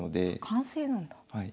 完成なんだ。